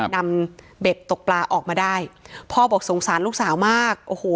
นำเบ็ดตกปลาออกมาได้พ่อบอกสงสารลูกสาวมากโอ้โห